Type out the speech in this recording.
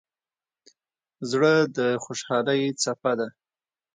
زړه د خوشحالۍ څپه ده.